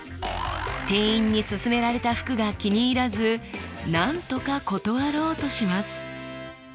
店員にすすめられた服が気に入らずなんとか断ろうとします。